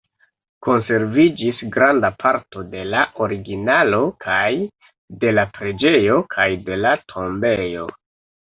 Konserviĝis granda parto de la originalo kaj de la preĝejo kaj de la tombejo.